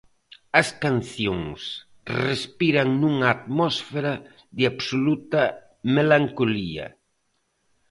As cancións respiran nunha atmosfera de absoluta melancolía.